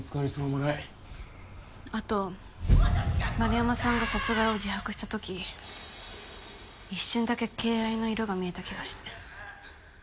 円山さんが殺害を自白したとき一瞬だけ「敬愛」の色が見えた気がして。